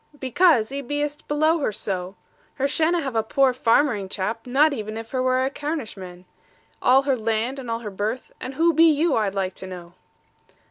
'Because 'ee be'est below her so. Her shanna' have a poor farmering chap, not even if her were a Carnishman. All her land, and all her birth and who be you, I'd like to know?'